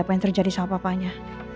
apa yang terjadi sama papanya